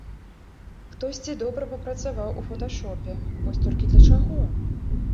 Хтосьці добра папрацаваў у фоташопе, вось толькі для чаго?